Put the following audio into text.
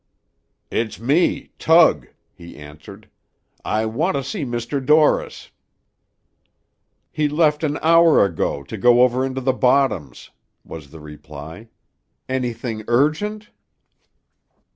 "It's me, Tug," he answered, "I want to see Dr. Dorris." "He left an hour ago, to go over into the bottoms," was the reply. "Anything urgent?"